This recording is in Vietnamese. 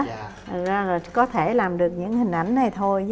thật ra có thể làm được những hình ảnh này thôi